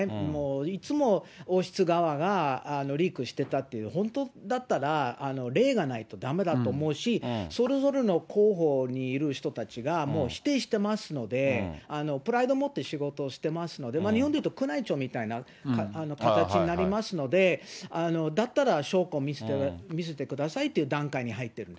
いつも王室側がリークしてたという、本当だったら、例がないとだめだと思うし、それぞれの広報にいる人たちが、もう否定してますので、プライド持って仕事をしてますので、日本でいうと宮内庁みたいな形になりますので、だったら証拠見せてくださいという段階に入ってるんです。